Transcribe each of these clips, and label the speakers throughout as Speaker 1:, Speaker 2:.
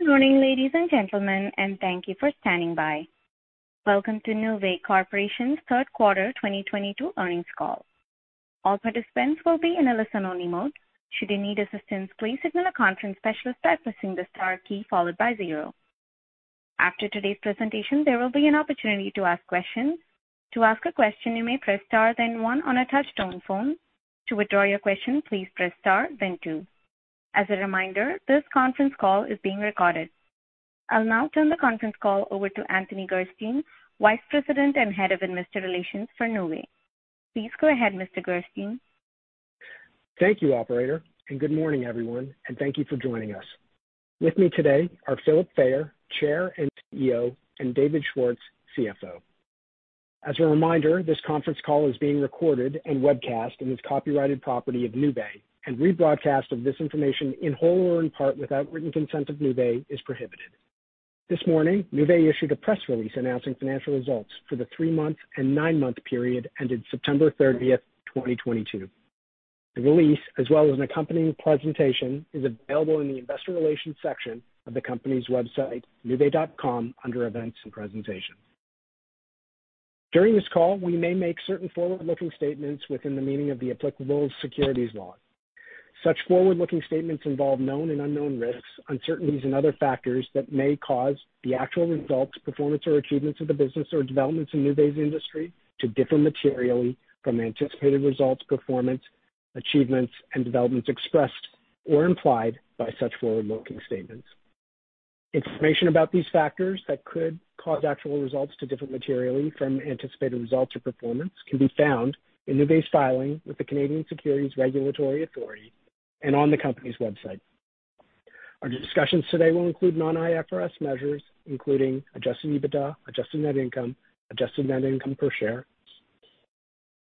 Speaker 1: Good morning, ladies and gentlemen, and thank you for standing by. Welcome to Nuvei Corporation's third quarter 2022 earnings call. All participants will be in a listen-only mode. Should you need assistance, please signal a conference specialist by pressing the star key followed by zero. After today's presentation, there will be an opportunity to ask questions. To ask a question, you may press star then one on a touch tone phone. To withdraw your question, please press star then two. As a reminder, this conference call is being recorded. I'll now turn the conference call over to Anthony Gerstein, Vice President and Head of Investor Relations for Nuvei. Please go ahead, Mr. Gerstein.
Speaker 2: Thank you, operator, and good morning, everyone, and thank you for joining us. With me today are Philip Fayer, Chair and CEO, and David Schwartz, CFO. As a reminder, this conference call is being recorded and webcast and is copyrighted property of Nuvei and rebroadcast of this information in whole or in part without written consent of Nuvei is prohibited. This morning, Nuvei issued a press release announcing financial results for the three-month and nine-month period ended September 30th, 2022. The release, as well as an accompanying presentation, is available in the Investor Relations section of the company's website, nuvei.com, under Events and Presentations. During this call, we may make certain forward-looking statements within the meaning of the applicable securities law. Such forward-looking statements involve known and unknown risks, uncertainties, and other factors that may cause the actual results, performance or achievements of the business or developments in Nuvei's industry to differ materially from anticipated results, performance, achievements and developments expressed or implied by such forward-looking statements. Information about these factors that could cause actual results to differ materially from anticipated results or performance can be found in Nuvei's filing with the Canadian Securities Administrators and on the company's website. Our discussions today will include non-IFRS measures, including adjusted EBITDA, adjusted net income, adjusted net income per share.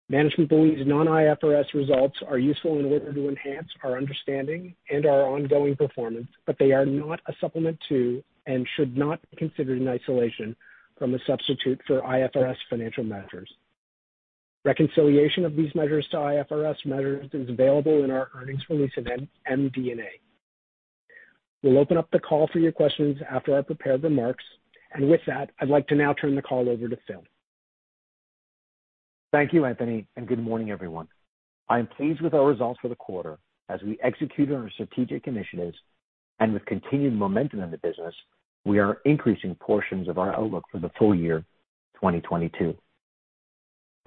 Speaker 2: Management believes non-IFRS results are useful and able to enhance our understanding and our ongoing performance, but they are not a supplement to, and should not be considered in isolation from, or a substitute for IFRS financial measures. Reconciliation of these measures to IFRS measures is available in our earnings release and MD&A. We'll open up the call for your questions after our prepared the remarks. With that, I'd like to now turn the call over to Philip.
Speaker 3: Thank you, Anthony, and good morning, everyone. I am pleased with our results for the quarter as we execute on our strategic initiatives and with continued momentum in the business. We are increasing portions of our outlook for the full year 2022.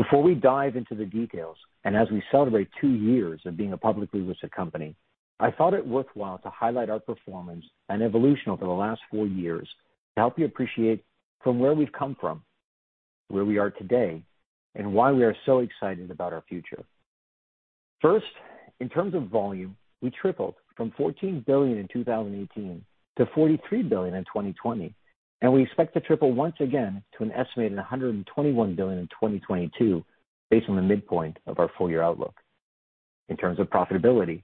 Speaker 3: Before we dive into the details and as we celebrate two years of being a publicly listed company, I thought it worthwhile to highlight our performance and evolution over the last four years to help you appreciate from where we've come from, where we are today, and why we are so excited about our future. First, in terms of volume, we tripled from $14 billion in 2018 to $43 billion in 2020, and we expect to triple once again to an estimated $121 billion in 2022, based on the midpoint of our full year outlook. In terms of profitability,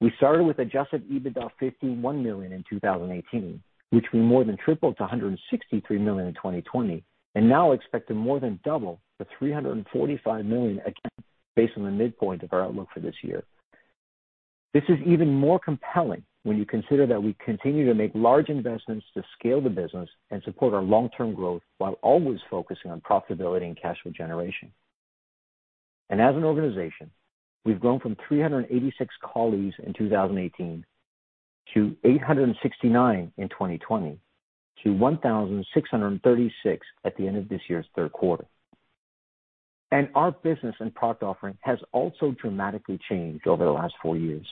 Speaker 3: we started with adjusted EBITDA of $51 million in 2018, which we more than tripled to $163 million in 2020 and now expect to more than double to $345 million again based on the midpoint of our outlook for this year. This is even more compelling when you consider that we continue to make large investments to scale the business and support our long-term growth while always focusing on profitability and cash flow generation. As an organization, we've grown from 386 colleagues in 2018 to 869 in 2020 to 1,636 at the end of this year's third quarter. Our business and product offering has also dramatically changed over the last four years.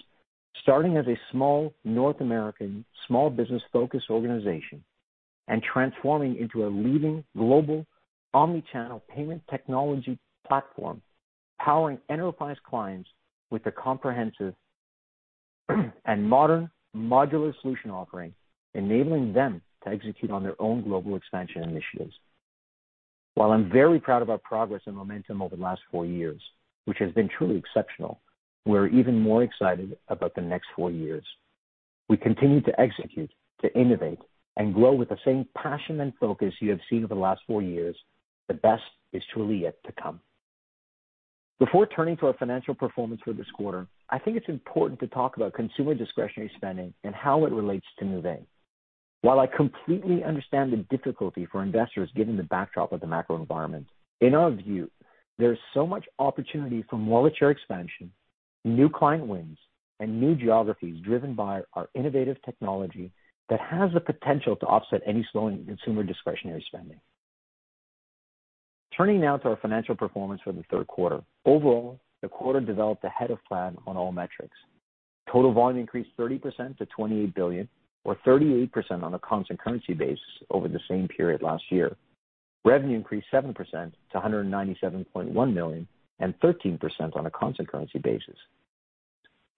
Speaker 3: Starting as a small North American small business-focused organization and transforming into a leading global omni-channel payment technology platform, powering enterprise clients with a comprehensive and modern modular solution offering, enabling them to execute on their own global expansion initiatives. While I'm very proud of our progress and momentum over the last four years, which has been truly exceptional, we're even more excited about the next four years. We continue to execute, to innovate and grow with the same passion and focus you have seen over the last four years. The best is truly yet to come. Before turning to our financial performance for this quarter, I think it's important to talk about consumer discretionary spending and how it relates to Nuvei. While I completely understand the difficulty for investors given the backdrop of the macro environment, in our view, there's so much opportunity for wallet share expansion, new client wins, and new geographies driven by our innovative technology that has the potential to offset any slowing consumer discretionary spending. Turning now to our financial performance for the third quarter. Overall, the quarter developed ahead of plan on all metrics. Total volume increased 30% to $28 billion or 38% on a constant currency basis over the same period last year. Revenue increased 7% to $197.1 million and 13% on a constant currency basis.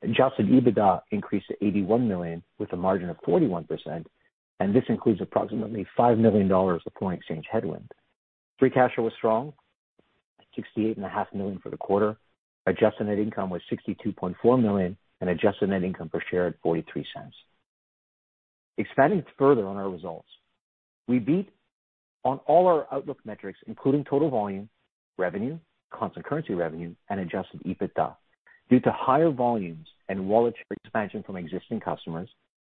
Speaker 3: Adjusted EBITDA increased to $81 million with a margin of 41%, and this includes approximately $5 million of foreign exchange headwind. Free cash flow was strong at $68.5 million for the quarter. Adjusted net income was $62.4 million and adjusted net income per share at $0.43. Expanding further on our results, we beat on all our outlook metrics, including total volume, revenue, constant currency revenue, and adjusted EBITDA due to higher volumes and wallet expansion from existing customers,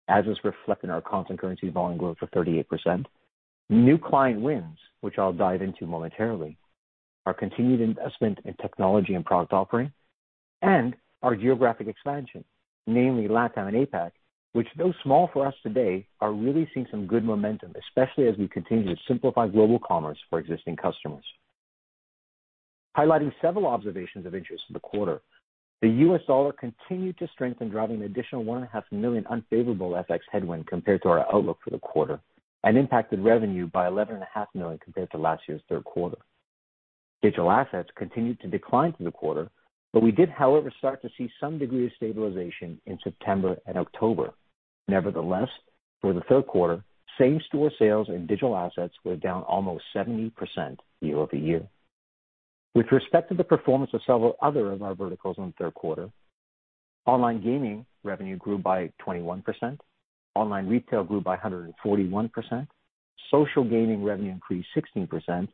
Speaker 3: as was reflected in our constant currency volume growth of 38%. New client wins, which I'll dive into momentarily, our continued investment in technology and product offering, and our geographic expansion, namely LATAM and APAC, which though small for us today, are really seeing some good momentum, especially as we continue to simplify global commerce for existing customers. Highlighting several observations of interest in the quarter. The U.S. dollar continued to strengthen, driving an additional $1.5 million unfavorable FX headwind compared to our outlook for the quarter and impacted revenue by $11.5 million compared to last year's third quarter. Digital assets continued to decline through the quarter, but we did, however, start to see some degree of stabilization in September and October. Nevertheless, for the third quarter, same-store sales and digital assets were down almost 70% year-over-year. With respect to the performance of several other of our verticals in the third quarter, online gaming revenue grew by 21%. Online retail grew by 141%. Social gaming revenue increased 16%,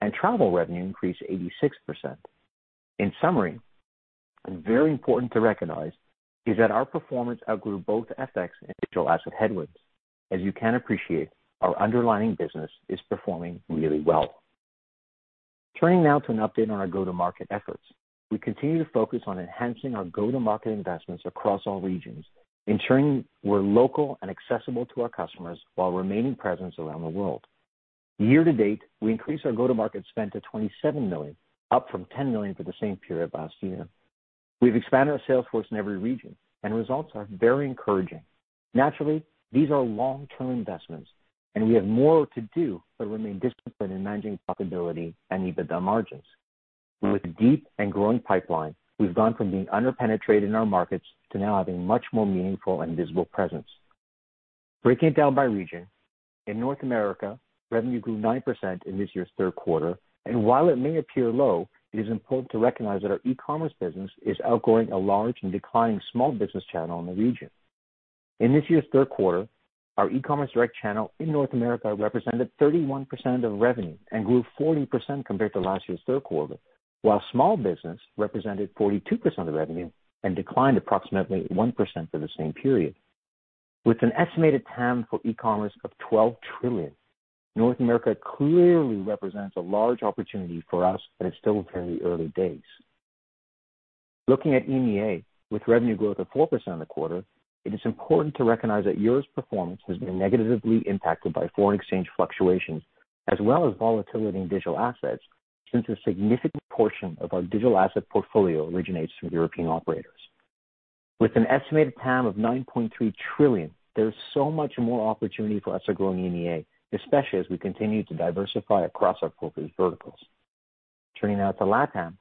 Speaker 3: and travel revenue increased 86%. In summary, and very important to recognize, is that our performance outgrew both FX and digital asset headwinds. As you can appreciate, our underlying business is performing really well. Turning now to an update on our go-to-market efforts. We continue to focus on enhancing our go-to-market investments across all regions, ensuring we're local and accessible to our customers while maintaining presence around the world. Year to date, we increased our go-to-market spend to $27 million, up from $10 million for the same period last year. We've expanded our sales force in every region and results are very encouraging. Naturally, these are long-term investments and we have more to do but remain disciplined in managing profitability and EBITDA margins. With a deep and growing pipeline, we've gone from being under-penetrated in our markets to now having much more meaningful and visible presence. Breaking it down by region. In North America, revenue grew 9% in this year's third quarter. While it may appear low, it is important to recognize that our e-commerce business is outgrowing a large and declining small business channel in the region. In this year's third quarter, our e-commerce direct channel in North America represented 31% of revenue and grew 40% compared to last year's third quarter, while small business represented 42% of revenue and declined approximately 1% for the same period. With an estimated TAM for e-commerce of 12 trillion, North America clearly represents a large opportunity for us, and it's still very early days. Looking at EMEA with revenue growth of 4% in the quarter, it is important to recognize that Europe's performance has been negatively impacted by foreign exchange fluctuations as well as volatility in digital assets since a significant portion of our digital asset portfolio originates from European operators. With an estimated TAM of $9.3 trillion, there is so much more opportunity for us to grow in EMEA, especially as we continue to diversify across our portfolio verticals. Turning now to LATAM,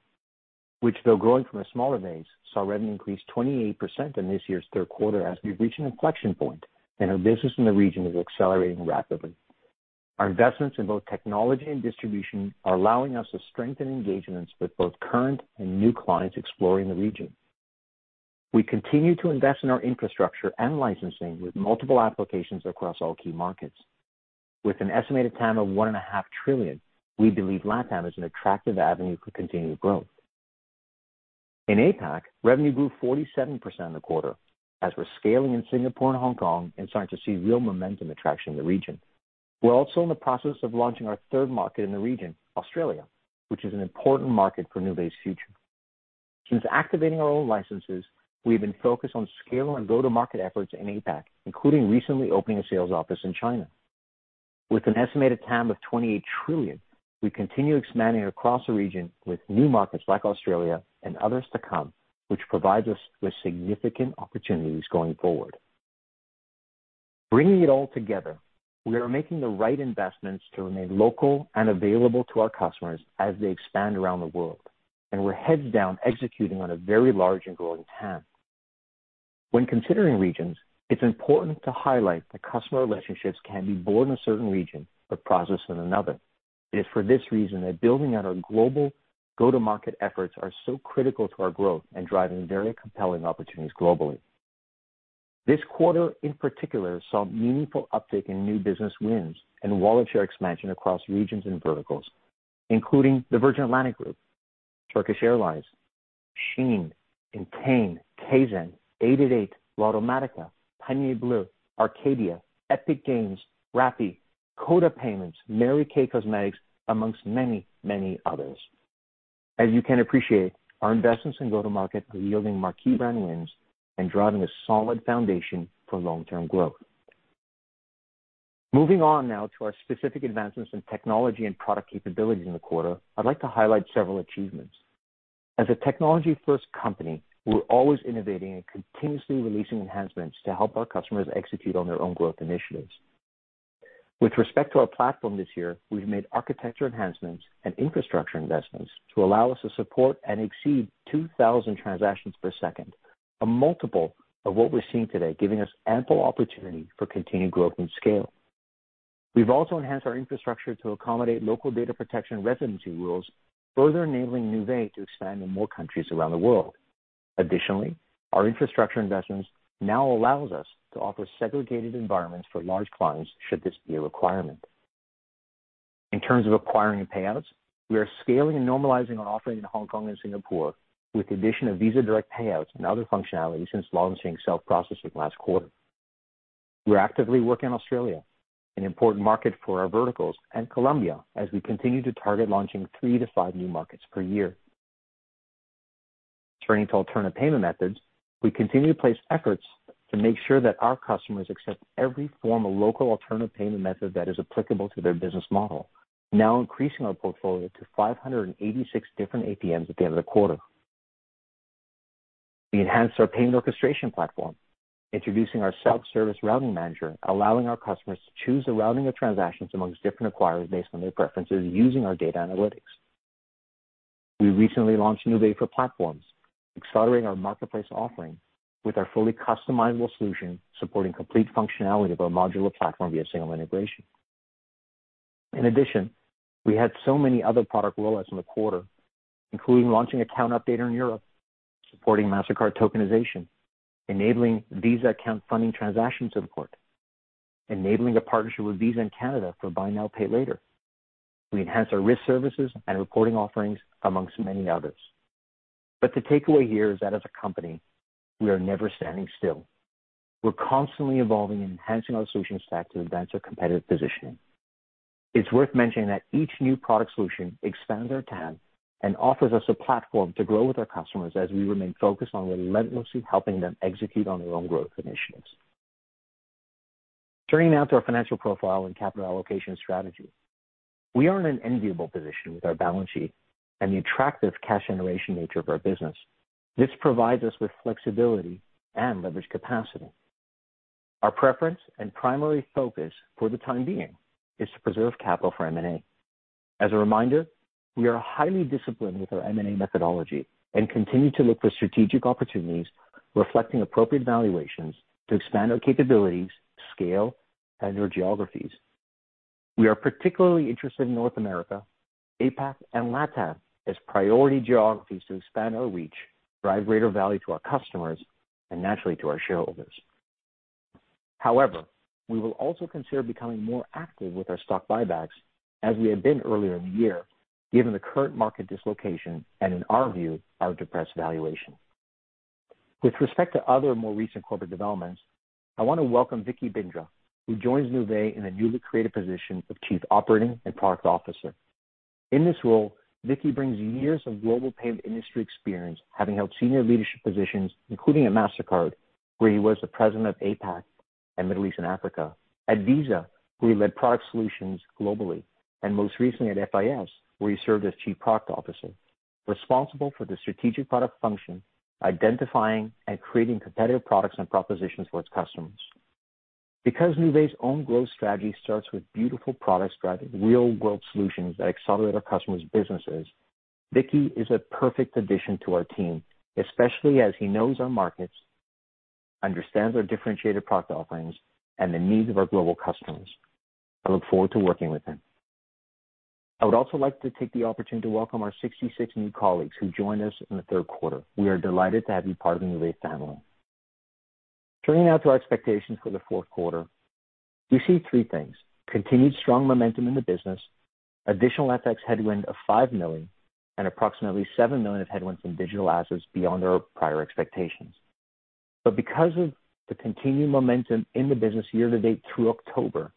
Speaker 3: which though growing from a smaller base, saw revenue increase 28% in this year's third quarter as we've reached an inflection point and our business in the region is accelerating rapidly. Our investments in both technology and distribution are allowing us to strengthen engagements with both current and new clients exploring the region. We continue to invest in our infrastructure and licensing with multiple applications across all key markets. With an estimated TAM of $1.5 trillion, we believe LATAM is an attractive avenue for continued growth. In APAC, revenue grew 47% in the quarter as we're scaling in Singapore and Hong Kong and starting to see real momentum attraction in the region. We're also in the process of launching our third market in the region, Australia, which is an important market for Nuvei's future. Since activating our own licenses, we have been focused on scaling our go-to-market efforts in APAC, including recently opening a sales office in China. With an estimated TAM of $28 trillion, we continue expanding across the region with new markets like Australia and others to come, which provides us with significant opportunities going forward. Bringing it all together, we are making the right investments to remain local and available to our customers as they expand around the world, and we're heads down executing on a very large and growing TAM. When considering regions, it's important to highlight that customer relationships can be born in a certain region but processed in another. It is for this reason that building out our global go-to-market efforts are so critical to our growth and driving very compelling opportunities globally. This quarter in particular, saw meaningful uptick in new business wins and wallet share expansion across regions and verticals, including the Virgin Atlantic Group, Turkish Airlines, SHEIN, Entain, Kazan, 888, Lottomatica, Panier Bleu, Arcadier, Epic Games, Rappi, Coda Payments, Mary Kay Cosmetics, among many, many others. As you can appreciate, our investments in go-to-market are yielding marquee brand wins and driving a solid foundation for long-term growth. Moving on now to our specific advancements in technology and product capabilities in the quarter, I'd like to highlight several achievements. As a technology-first company, we're always innovating and continuously releasing enhancements to help our customers execute on their own growth initiatives. With respect to our platform this year, we've made architecture enhancements and infrastructure investments to allow us to support and exceed 2,000 transactions per second, a multiple of what we're seeing today, giving us ample opportunity for continued growth and scale. We've also enhanced our infrastructure to accommodate local data protection residency rules, further enabling Nuvei to expand in more countries around the world. Additionally, our infrastructure investments now allows us to offer segregated environments for large clients should this be a requirement. In terms of acquiring payouts, we are scaling and normalizing our offering in Hong Kong and Singapore with the addition of Visa Direct payouts and other functionalities since launching self-processing last quarter. We're actively working in Australia, an important market for our verticals, and Colombia as we continue to target launching three-five new markets per year. Turning to alternative payment methods, we continue to place efforts to make sure that our customers accept every form of local alternative payment method that is applicable to their business model, now increasing our portfolio to 586 different APMs at the end of the quarter. We enhanced our payment orchestration platform, introducing our self-service routing manager, allowing our customers to choose the routing of transactions amongst different acquirers based on their preferences using our data analytics. We recently launched Nuvei for Platforms, accelerating our marketplace offering with our fully customizable solution, supporting complete functionality of our modular platform via single integration. In addition, we had so many other product rollouts in the quarter, including launching account updater in Europe, supporting Mastercard tokenization, enabling Visa account funding transaction support, enabling a partnership with Visa in Canada for buy now, pay later. We enhanced our risk services and reporting offerings among many others. The takeaway here is that as a company, we are never standing still. We're constantly evolving and enhancing our solution stack to advance our competitive positioning. It's worth mentioning that each new product solution expands our TAM and offers us a platform to grow with our customers as we remain focused on relentlessly helping them execute on their own growth initiatives. Turning now to our financial profile and capital allocation strategy. We are in an enviable position with our balance sheet and the attractive cash generation nature of our business. This provides us with flexibility and leverage capacity. Our preference and primary focus for the time being is to preserve capital for M&A. As a reminder, we are highly disciplined with our M&A methodology and continue to look for strategic opportunities reflecting appropriate valuations to expand our capabilities, scale and new geographies. We are particularly interested in North America, APAC, and LATAM as priority geographies to expand our reach, drive greater value to our customers, and naturally to our shareholders. However, we will also consider becoming more active with our stock buybacks as we have been earlier in the year, given the current market dislocation and in our view, our depressed valuation. With respect to other more recent corporate developments, I want to welcome Vicky Bindra, who joins Nuvei in a newly created position of Chief Product and Operations Officer. In this role, Vicky brings years of global payment industry experience, having held senior leadership positions, including at Mastercard, where he was the president of APAC and Middle East and Africa. At Visa, where he led product solutions globally, and most recently at FIS, where he served as Chief Product Officer, responsible for the strategic product function, identifying and creating competitive products and propositions for its customers. Because Nuvei's own growth strategy starts with beautiful products driving real-world solutions that accelerate our customers' businesses, Vicky is a perfect addition to our team, especially as he knows our markets, understands our differentiated product offerings and the needs of our global customers. I look forward to working with him. I would also like to take the opportunity to welcome our 66 new colleagues who joined us in the third quarter. We are delighted to have you part of the Nuvei family. Turning now to our expectations for the fourth quarter. We see three things, continued strong momentum in the business, additional FX headwind of $5 million and approximately $7 million of headwinds in digital assets beyond our prior expectations. Because of the continued momentum in the business year to date through October,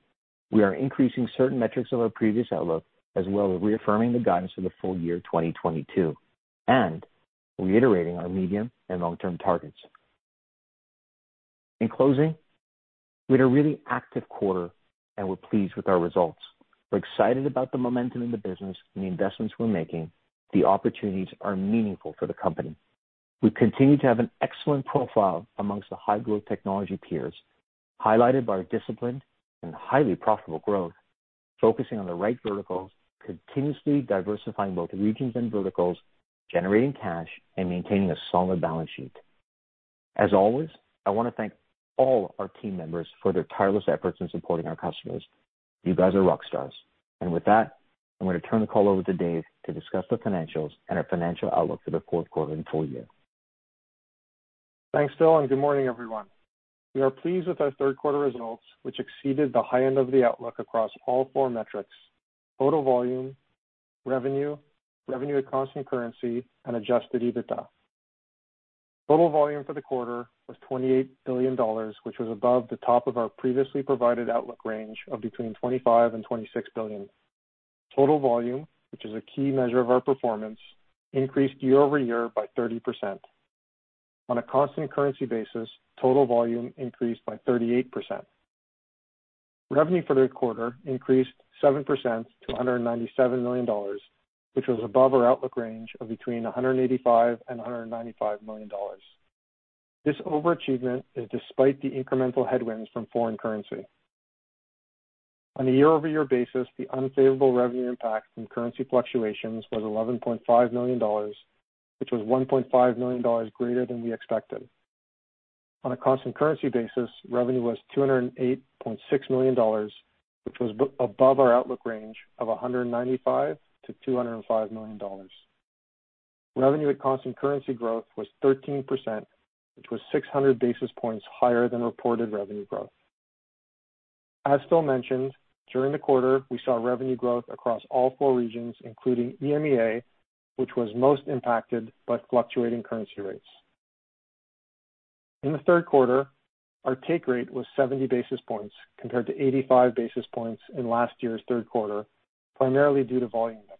Speaker 3: we are increasing certain metrics of our previous outlook, as well as reaffirming the guidance for the full year 2022, and reiterating our medium and long-term targets. In closing, we had a really active quarter, and we're pleased with our results. We're excited about the momentum in the business and the investments we're making. The opportunities are meaningful for the company. We continue to have an excellent profile amongst the high-growth technology peers, highlighted by our discipline and highly profitable growth, focusing on the right verticals, continuously diversifying both regions and verticals, generating cash and maintaining a solid balance sheet. As always, I want to thank all our team members for their tireless efforts in supporting our customers. You guys are rock stars. With that, I'm going to turn the call over to David to discuss the financials and our financial outlook for the fourth quarter and full year.
Speaker 4: Thanks, Phil, and good morning, everyone. We are pleased with our third quarter results, which exceeded the high end of the outlook across all four metrics, total volume, revenue at constant currency, and adjusted EBITDA. Total volume for the quarter was $28 billion, which was above the top of our previously provided outlook range of between $25 billion-$26 billion. Total volume, which is a key measure of our performance, increased year-over-year by 30%. On a constant currency basis, total volume increased by 38%. Revenue for the quarter increased 7% to $197 million, which was above our outlook range of between $185 million-$195 million. This overachievement is despite the incremental headwinds from foreign currency. On a year-over-year basis, the unfavorable revenue impact from currency fluctuations was $11.5 million, which was $1.5 million greater than we expected. On a constant currency basis, revenue was $208.6 million, which was above our outlook range of $195 million-$205 million. Revenue at constant currency growth was 13%, which was 600 basis points higher than reported revenue growth. As Phil mentioned, during the quarter, we saw revenue growth across all four regions, including EMEA, which was most impacted by fluctuating currency rates. In the third quarter, our take rate was 70 basis points compared to 85 basis points in last year's third quarter, primarily due to volume mix.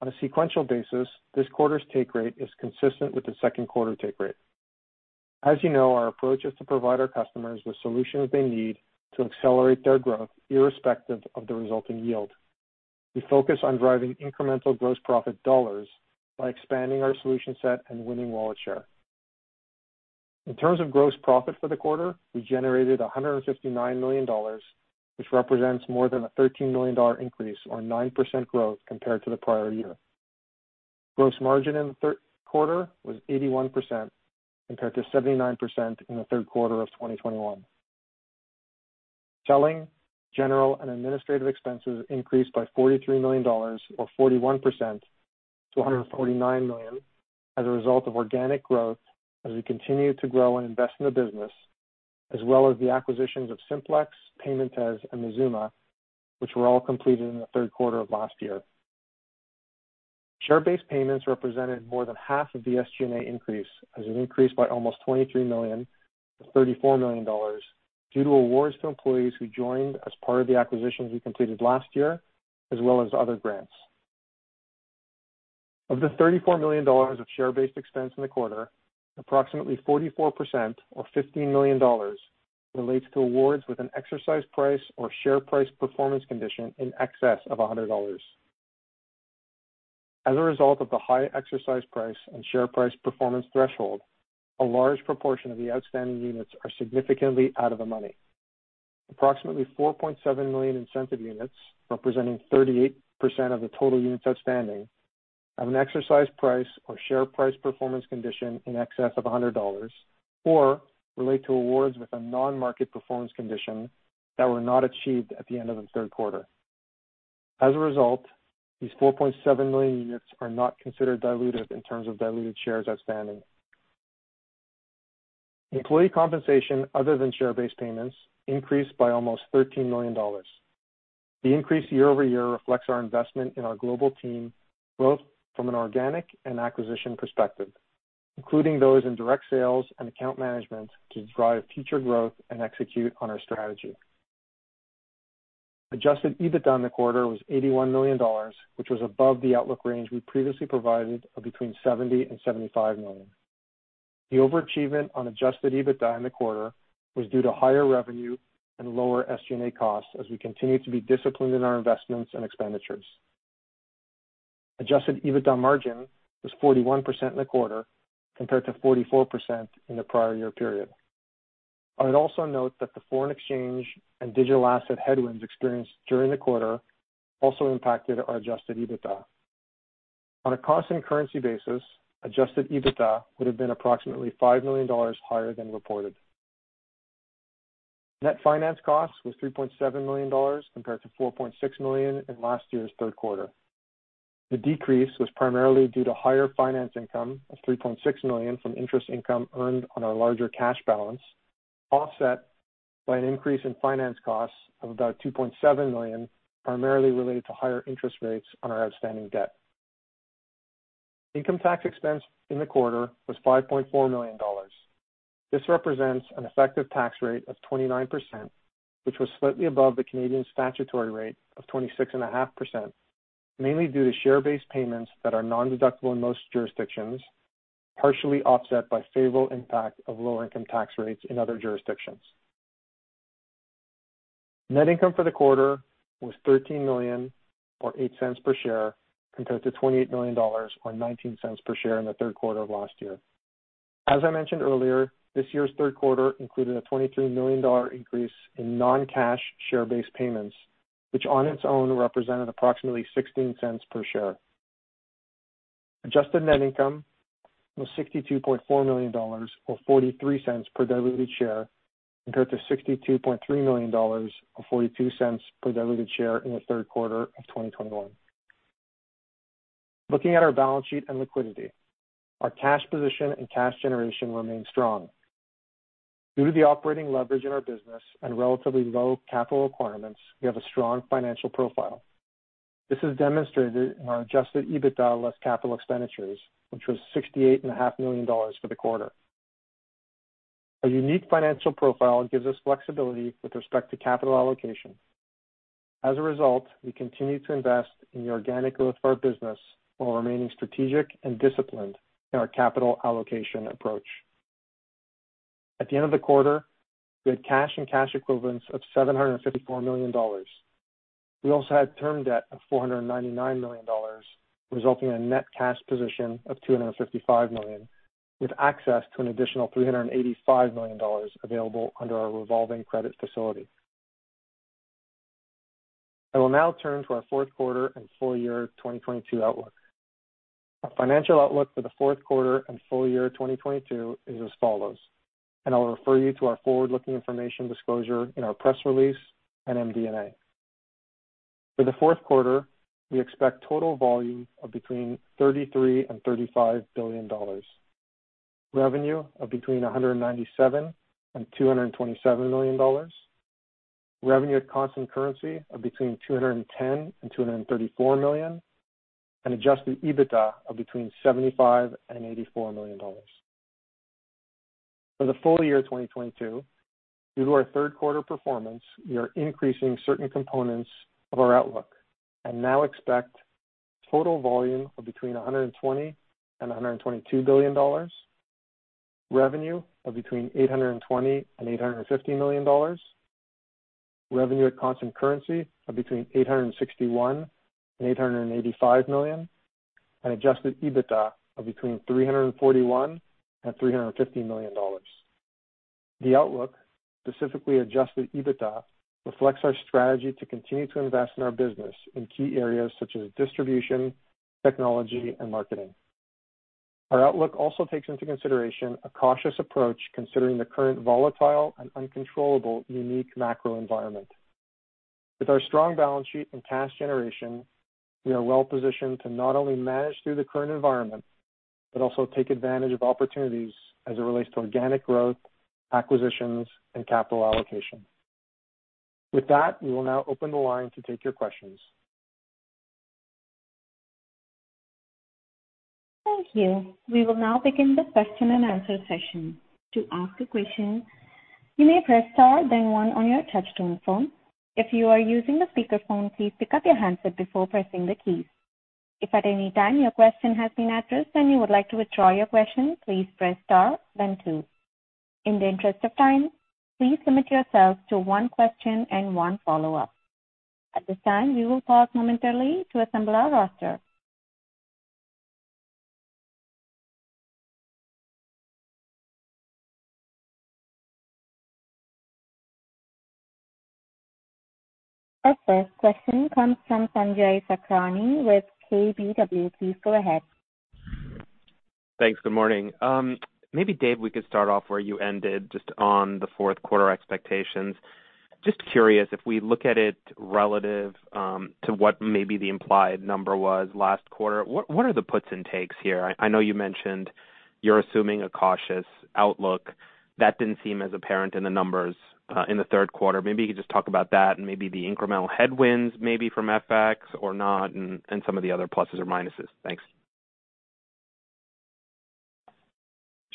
Speaker 4: On a sequential basis, this quarter's take rate is consistent with the second quarter take rate. As you know, our approach is to provide our customers the solutions they need to accelerate their growth irrespective of the resulting yield. We focus on driving incremental gross profit dollars by expanding our solution set and winning wallet share. In terms of gross profit for the quarter, we generated $159 million, which represents more than a $13 million increase or 9% growth compared to the prior year. Gross margin in the third quarter was 81% compared to 79% in the third quarter of 2021. Selling, general, and administrative expenses increased by $43 million or 41% to $149 million as a result of organic growth as we continue to grow and invest in the business, as well as the acquisitions of Simplex, Paymentez, and Mazooma, which were all completed in the third quarter of last year. Share-based payments represented more than half of the SG&A increase as it increased by almost $23 million to $34 million due to awards to employees who joined as part of the acquisitions we completed last year, as well as other grants. Of the $34 million of share-based expense in the quarter, approximately 44% or $15 million relates to awards with an exercise price or share price performance condition in excess of $100. As a result of the high exercise price and share price performance threshold, a large proportion of the outstanding units are significantly out of the money. Approximately 4.7 million incentive units, representing 38% of the total units outstanding, have an exercise price or share price performance condition in excess of $100 or relate to awards with a non-market performance condition that were not achieved at the end of the third quarter. As a result, these 4.7 million units are not considered dilutive in terms of diluted shares outstanding. Employee compensation other than share-based payments increased by almost $13 million. The increase year-over-year reflects our investment in our global team, both from an organic and acquisition perspective, including those in direct sales and account management to drive future growth and execute on our strategy. Adjusted EBITDA in the quarter was $81 million, which was above the outlook range we previously provided of $70 million-$75 million. The overachievement on adjusted EBITDA in the quarter was due to higher revenue and lower SG&A costs as we continue to be disciplined in our investments and expenditures. Adjusted EBITDA margin was 41% in the quarter compared to 44% in the prior year period. I would also note that the foreign exchange and digital asset headwinds experienced during the quarter also impacted our adjusted EBITDA. On a constant currency basis, adjusted EBITDA would have been approximately $5 million higher than reported. Net finance costs was $3.7 million compared to $4.6 million in last year's third quarter. The decrease was primarily due to higher finance income of $3.6 million from interest income earned on our larger cash balance, offset by an increase in finance costs of about $2.7 million, primarily related to higher interest rates on our outstanding debt. Income tax expense in the quarter was $5.4 million. This represents an effective tax rate of 29%, which was slightly above the Canadian statutory rate of 26.5%, mainly due to share-based payments that are nondeductible in most jurisdictions, partially offset by favorable impact of lower income tax rates in other jurisdictions. Net income for the quarter was $13 million or $0.08 per share compared to $28 million or $0.19 per share in the third quarter of last year. As I mentioned earlier, this year's third quarter included a $23 million increase in non-cash share-based payments, which on its own represented approximately $0.16 per share. Adjusted net income was $62.4 million or $0.43 per diluted share compared to $62.3 million or $0.42 per diluted share in the third quarter of 2021. Looking at our balance sheet and liquidity, our cash position and cash generation remain strong. Due to the operating leverage in our business and relatively low capital requirements, we have a strong financial profile. This is demonstrated in our adjusted EBITDA less capital expenditures, which was $68.5 million for the quarter. Our unique financial profile gives us flexibility with respect to capital allocation. As a result, we continue to invest in the organic growth of our business while remaining strategic and disciplined in our capital allocation approach. At the end of the quarter, we had cash and cash equivalents of $754 million. We also had term debt of $499 million, resulting in a net cash position of $255 million, with access to an additional $385 million available under our revolving credit facility. I will now turn to our fourth quarter and full year 2022 outlook. Our financial outlook for the fourth quarter and full year 2022 is as follows, and I'll refer you to our forward-looking information disclosure in our press release and MD&A. For the fourth quarter, we expect total volume of between $33 billion and $35 billion. Revenue of between $197 million and $227 million. Revenue at constant currency of between $210 million and $234 million. And adjusted EBITDA of between $75 million and $84 million. For the full year 2022, due to our third quarter performance, we are increasing certain components of our outlook and now expect total volume of between $120 billion and $122 billion, revenue of between $820 million and $850 million, revenue at constant currency of between $861 million and $885 million, and adjusted EBITDA of between $341 million and $350 million. The outlook, specifically adjusted EBITDA, reflects our strategy to continue to invest in our business in key areas such as distribution, technology, and marketing. Our outlook also takes into consideration a cautious approach considering the current volatile and uncontrollable unique macro environment. With our strong balance sheet and cash generation, we are well-positioned to not only manage through the current environment, but also take advantage of opportunities as it relates to organic growth, acquisitions, and capital allocation. With that, we will now open the line to take your questions.
Speaker 1: Thank you. We will now begin the question and answer session. To ask a question, you may press star then one on your touchtone phone. If you are using the speaker phone, please pick up your handset before pressing the keys. If at any time your question has been addressed and you would like to withdraw your question, please press star then two. In the interest of time, please limit yourselves to one question and one follow-up. At this time, we will pause momentarily to assemble our roster. Our first question comes from Sanjay Sakhrani with KBW. Please go ahead.
Speaker 5: Thanks. Good morning. Maybe Dave, we could start off where you ended just on the fourth quarter expectations. Just curious, if we look at it relative to what maybe the implied number was last quarter, what are the puts and takes here? I know you mentioned you're assuming a cautious outlook. That didn't seem as apparent in the numbers in the third quarter. Maybe you could just talk about that and maybe the incremental headwinds maybe from FX or not, and some of the other pluses or minuses. Thanks.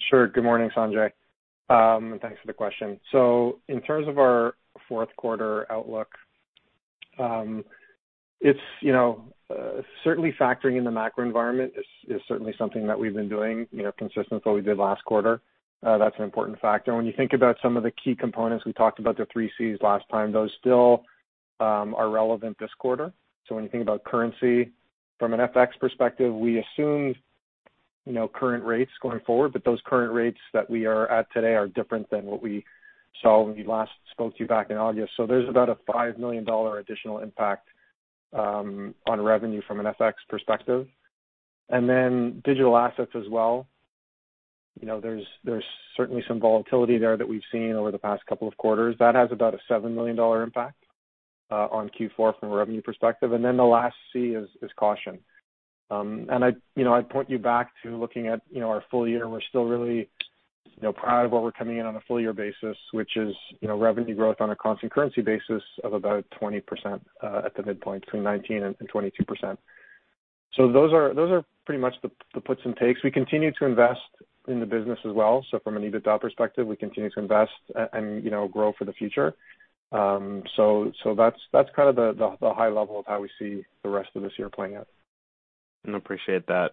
Speaker 4: Sure. Good morning, Sanjay. Thanks for the question. In terms of our fourth quarter outlook, it's, you know, certainly factoring in the macro environment is certainly something that we've been doing, you know, consistent with what we did last quarter. That's an important factor. When you think about some of the key components, we talked about the three Cs last time, those still are relevant this quarter. When you think about currency from an FX perspective, we assumed, you know, current rates going forward, but those current rates that we are at today are different than what we saw when we last spoke to you back in August. There's about a $5 million additional impact on revenue from an FX perspective. Then digital assets as well, you know, there's certainly some volatility there that we've seen over the past couple of quarters. That has about a $7 million impact on Q4 from a revenue perspective. The last C is caution. You know, I'd point you back to looking at, you know, our full year. We're still really, you know, proud of what we're coming in on a full year basis, which is, you know, revenue growth on a constant currency basis of about 20% at the midpoint between 19% and 22%. Those are pretty much the puts and takes. We continue to invest in the business as well. From an EBITDA perspective, we continue to invest and, you know, grow for the future. That's kind of the high level of how we see the rest of this year playing out.
Speaker 5: Appreciate that.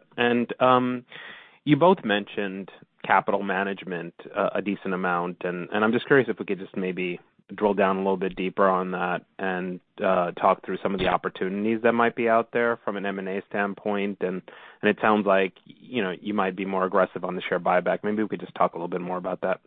Speaker 5: You both mentioned capital management a decent amount, and I'm just curious if we could just maybe drill down a little bit deeper on that and talk through some of the opportunities that might be out there from an M&A standpoint. It sounds like, you know, you might be more aggressive on the share buyback. Maybe we could just talk a little bit more about that.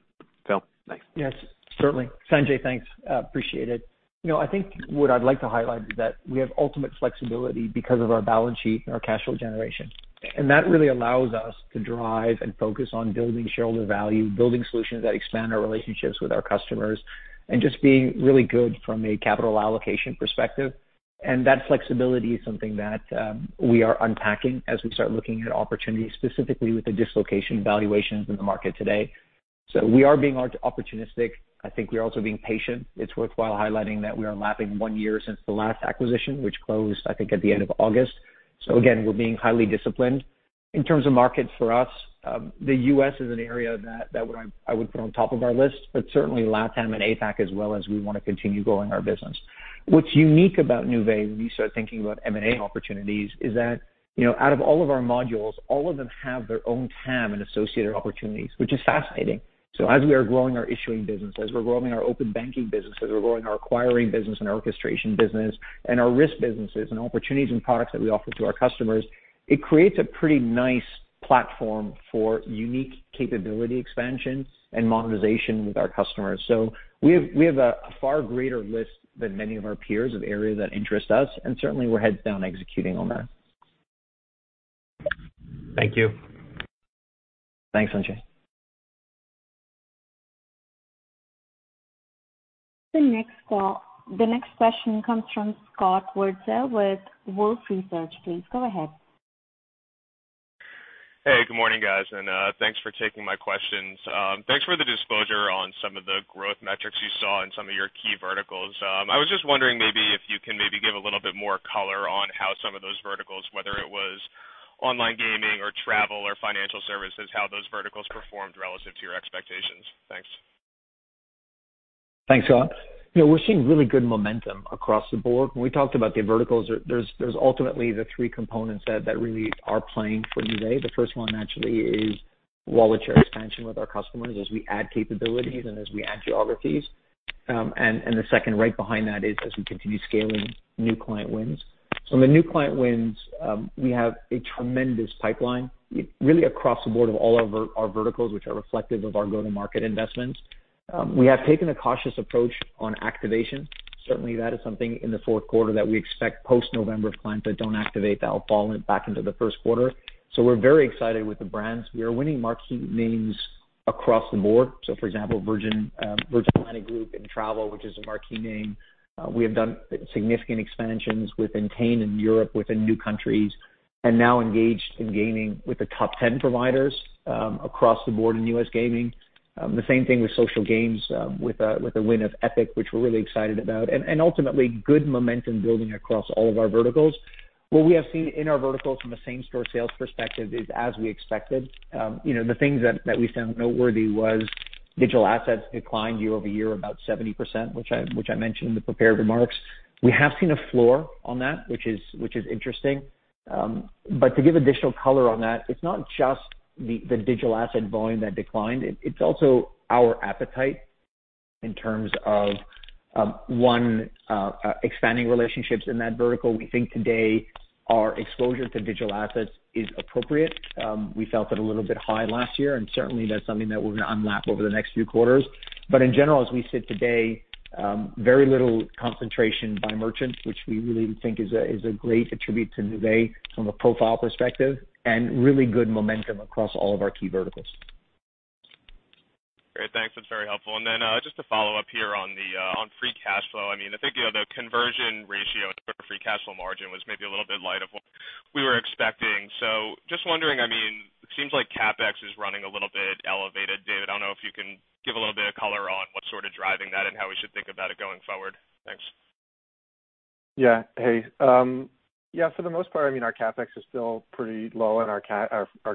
Speaker 5: Phil? Thanks.
Speaker 3: Yes, certainly. Sanjay, thanks. Appreciate it. You know, I think what I'd like to highlight is that we have ultimate flexibility because of our balance sheet and our cash flow generation. That really allows us to drive and focus on building shareholder value, building solutions that expand our relationships with our customers, and just being really good from a capital allocation perspective. That flexibility is something that we are unpacking as we start looking at opportunities, specifically with the dislocation valuations in the market today. We are being opportunistic. I think we are also being patient. It's worthwhile highlighting that we are lapping one year since the last acquisition, which closed, I think, at the end of August. Again, we're being highly disciplined. In terms of markets for us, the U.S. is an area that I would put on top of our list, but certainly LATAM and APAC as well as we wanna continue growing our business. What's unique about Nuvei when you start thinking about M&A opportunities is that, you know, out of all of our modules, all of them have their own TAM and associated opportunities, which is fascinating. As we are growing our issuing business, as we're growing our open banking business, as we're growing our acquiring business and orchestration business and our risk businesses and opportunities and products that we offer to our customers, it creates a pretty nice platform for unique capability expansion and monetization with our customers. We have a far greater list than many of our peers of areas that interest us, and certainly we're heads down executing on that.
Speaker 5: Thank you.
Speaker 3: Thanks, Sanjay.
Speaker 1: The next question comes from Scott Wurtzel with Wolfe Research. Please go ahead.
Speaker 6: Hey, good morning, guys, and thanks for taking my questions. Thanks for the disclosure on some of the growth metrics you saw in some of your key verticals. I was just wondering maybe if you can maybe give a little bit more color on how some of those verticals, whether it was online gaming or travel or financial services, how those verticals performed relative to your expectations. Thanks.
Speaker 3: Thanks, Scott. You know, we're seeing really good momentum across the board. When we talked about the verticals, there's ultimately the three components that really are playing for today. The first one actually is wallet share expansion with our customers as we add capabilities and as we add geographies. The second right behind that is as we continue scaling new client wins. In the new client wins, we have a tremendous pipeline really across the board of all of our verticals, which are reflective of our go-to-market investments. We have taken a cautious approach on activation. Certainly, that is something in the fourth quarter that we expect post-November clients that don't activate will fall back into the first quarter. We're very excited with the brands. We are winning marquee names across the board. For example, Virgin Atlantic Group in travel, which is a marquee name. We have done significant expansions within Entain in Europe, within new countries, and now engaged in gaming with the top 10 providers across the board in U.S. gaming. The same thing with social games with a win of Epic, which we're really excited about. Ultimately good momentum building across all of our verticals. What we have seen in our verticals from a same-store sales perspective is as we expected. You know, the things that we found noteworthy was digital assets declined year-over-year about 70%, which I mentioned in the prepared remarks. We have seen a floor on that, which is interesting. To give additional color on that, it's not just the digital asset volume that declined. It's also our appetite in terms of expanding relationships in that vertical. We think today our exposure to digital assets is appropriate. We felt it a little bit high last year, and certainly that's something that we're gonna unlap over the next few quarters. In general, as we sit today, very little concentration by merchants, which we really think is a great attribute to Nuvei from a profile perspective and really good momentum across all of our key verticals.
Speaker 6: Great. Thanks. That's very helpful. Just to follow up here on free cash flow. I mean, I think, you know, the conversion ratio for free cash flow margin was maybe a little bit light on what we were expecting. Just wondering, I mean, it seems like CapEx is running a little bit elevated. David, I don't know if you can give a little bit of color on what's sort of driving that and how we should think about it going forward. Thanks.
Speaker 4: For the most part, I mean, our CapEx is still pretty low and our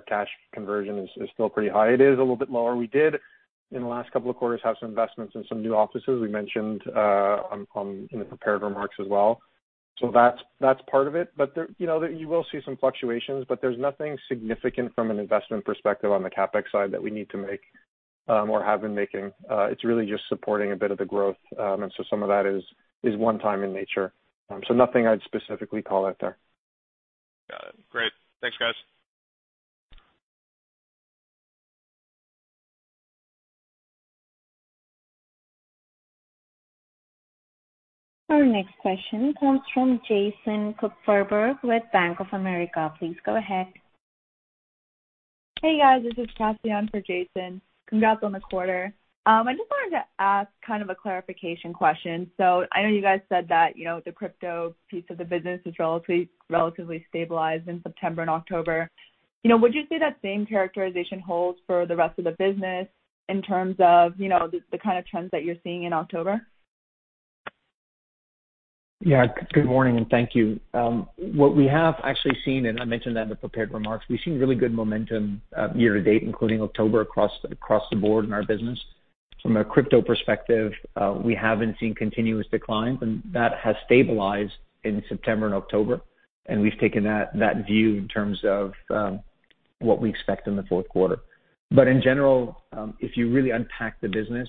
Speaker 4: cash conversion is still pretty high. It is a little bit lower. We did, in the last couple of quarters, have some investments in some new offices. We mentioned in the prepared remarks as well. That's part of it. But you know, you will see some fluctuations, but there's nothing significant from an investment perspective on the CapEx side that we need to make or have been making. It's really just supporting a bit of the growth. Some of that is one time in nature. Nothing I'd specifically call out there.
Speaker 6: Got it. Great. Thanks, guys.
Speaker 1: Our next question comes from Jason Kupferberg with Bank of America. Please go ahead.
Speaker 7: Hey, guys, this is Cassian for Jason. Congrats on the quarter. I just wanted to ask kind of a clarification question. I know you guys said that, you know, the crypto piece of the business is relatively stabilized in September and October. You know, would you say that same characterization holds for the rest of the business in terms of, you know, the kind of trends that you're seeing in October?
Speaker 3: Yeah. Good morning, and thank you. What we have actually seen, and I mentioned that in the prepared remarks, we've seen really good momentum year to date, including October, across the board in our business. From a crypto perspective, we haven't seen continuous declines, and that has stabilized in September and October, and we've taken that view in terms of what we expect in the fourth quarter. In general, if you really unpack the business,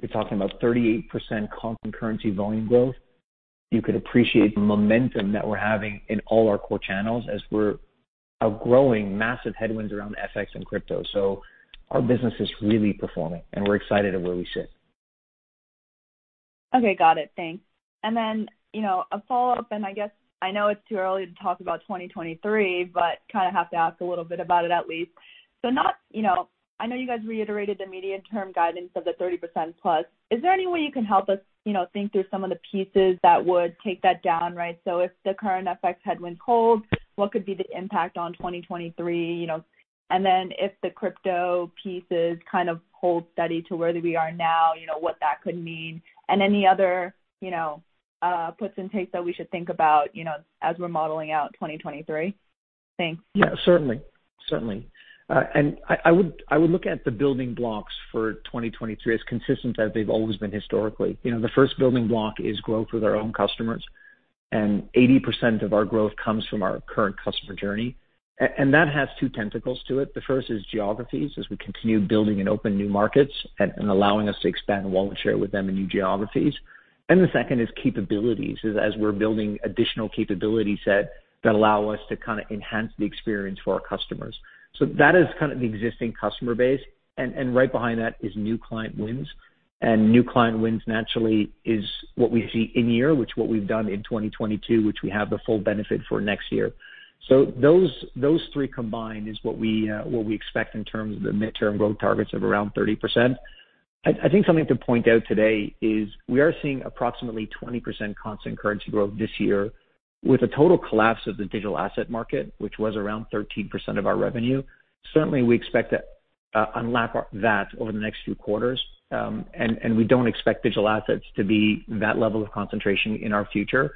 Speaker 3: you're talking about 38% constant currency volume growth. You could appreciate the momentum that we're having in all our core channels as we're outgrowing massive headwinds around FX and crypto. Our business is really performing, and we're excited at where we sit.
Speaker 7: Okay. Got it. Thanks. You know, a follow-up, and I guess I know it's too early to talk about 2023, but kinda have to ask a little bit about it at least. I know you guys reiterated the medium-term guidance of 30%+. Is there any way you can help us, you know, think through some of the pieces that would take that down, right? If the current FX headwind holds, what could be the impact on 2023, you know? If the crypto pieces kind of hold steady to where we are now, you know, what that could mean, and any other, you know, puts and takes that we should think about, you know, as we're modeling out 2023? Thanks.
Speaker 3: Yeah. Certainly. I would look at the building blocks for 2023 as consistent as they've always been historically. You know, the first building block is growth with our own customers, and 80% of our growth comes from our current customer journey. And that has two tentacles to it. The first is geographies, as we continue building and open new markets and allowing us to expand wallet share with them in new geographies. The second is capabilities, as we're building additional capability set that allow us to kinda enhance the experience for our customers. So that is kind of the existing customer base. Right behind that is new client wins. New client wins naturally is what we see this year, which is what we've done in 2022, which we have the full benefit for next year. Those three combined is what we expect in terms of the midterm growth targets of around 30%. I think something to point out today is we are seeing approximately 20% constant currency growth this year with a total collapse of the digital asset market, which was around 13% of our revenue. Certainly, we expect to unlock that over the next few quarters, and we don't expect digital assets to be that level of concentration in our future.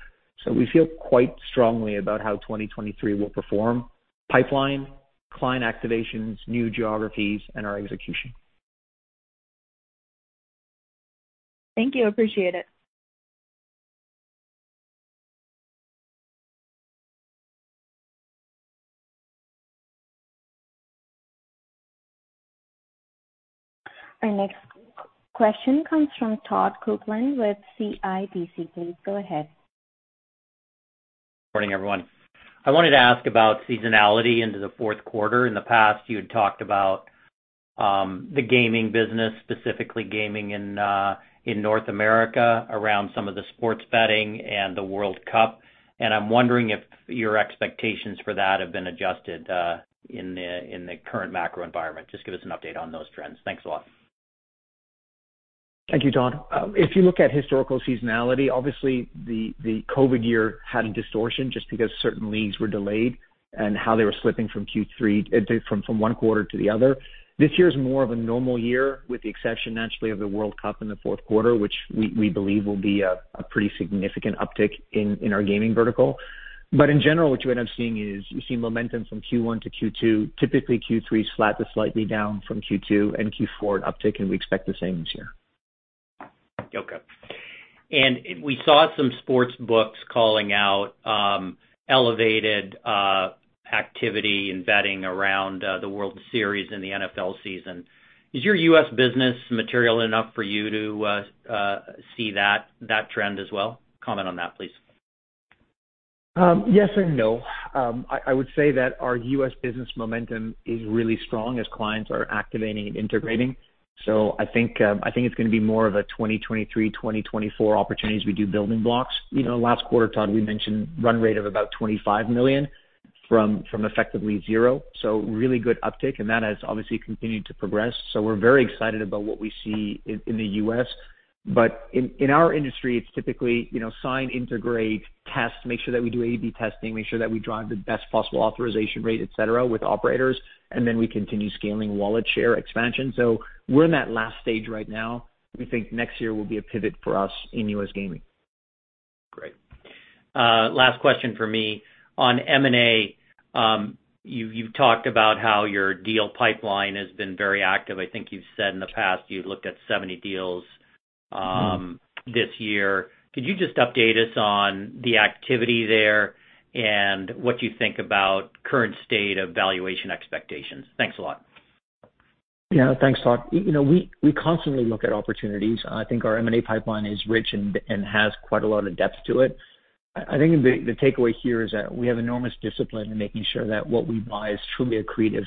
Speaker 3: We feel quite strongly about how 2023 will perform. Pipeline, client activations, new geographies, and our execution.
Speaker 7: Thank you. Appreciate it.
Speaker 1: Our next question comes from Todd Coupland with CIBC. Please go ahead.
Speaker 8: Morning, everyone. I wanted to ask about seasonality into the fourth quarter. In the past, you had talked about the gaming business, specifically gaming in North America, around some of the sports betting and the World Cup. I'm wondering if your expectations for that have been adjusted in the current macro environment. Just give us an update on those trends. Thanks a lot.
Speaker 3: Thank you, Todd. If you look at historical seasonality, obviously the COVID year had a distortion just because certain leagues were delayed and how they were slipping from one quarter to the other. This year is more of a normal year with the exception naturally of the World Cup in the fourth quarter, which we believe will be a pretty significant uptick in our gaming vertical. In general, what you end up seeing is you see momentum from Q1 to Q2, typically Q3 flat to slightly down from Q2, and Q4 an uptick, and we expect the same this year.
Speaker 8: Okay. We saw some sportsbooks calling out elevated activity and betting around the World Series in the NFL season. Is your U.S. business material enough for you to see that trend as well? Comment on that, please.
Speaker 3: Yes and no. I would say that our U.S. business momentum is really strong as clients are activating and integrating. I think it's gonna be more of a 2023, 2024 opportunity as we do building blocks. You know, last quarter, Todd, we mentioned run rate of about $25 million from effectively zero. Really good uptick, and that has obviously continued to progress. We're very excited about what we see in the U.S. In our industry, it's typically, you know, sign, integrate, test, make sure that we do A/B testing, make sure that we drive the best possible authorization rate, et cetera, with operators, and then we continue scaling wallet share expansion. We're in that last stage right now. We think next year will be a pivot for us in U.S. gaming.
Speaker 8: Great. Last question for me. On M&A, you've talked about how your deal pipeline has been very active. I think you've said in the past you looked at 70 deals, this year. Could you just update us on the activity there and what you think about current state of valuation expectations? Thanks a lot.
Speaker 3: Yeah. Thanks, Todd. You know, we constantly look at opportunities. I think our M&A pipeline is rich and has quite a lot of depth to it. I think the takeaway here is that we have enormous discipline in making sure that what we buy is truly accretive